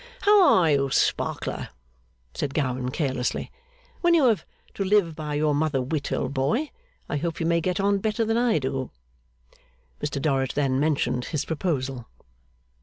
'How are you, Sparkler?' said Gowan carelessly. 'When you have to live by your mother wit, old boy, I hope you may get on better than I do.' Mr Dorrit then mentioned his proposal.